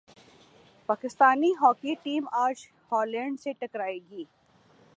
Pakistan hockey team اج Holland سے ٹکرا ئے گی